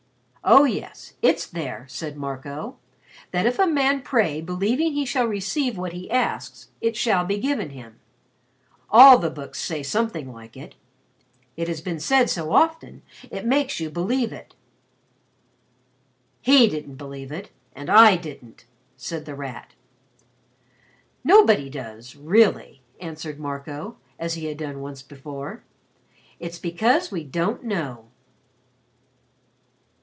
"Oh, yes, it's there," said Marco. "That if a man pray believing he shall receive what he asks it shall be given him. All the books say something like it. It's been said so often it makes you believe it." "He didn't believe it, and I didn't," said The Rat. "Nobody does really," answered Marco, as he had done once before. "It's because we don't know."